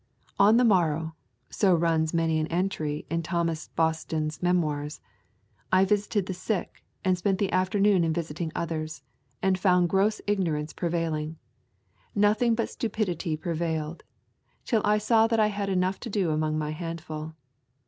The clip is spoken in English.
'On the morrow,' so runs many an entry in Thomas Boston's Memoirs, 'I visited the sick, and spent the afternoon in visiting others, and found gross ignorance prevailing. Nothing but stupidity prevailed; till I saw that I had enough to do among my handful.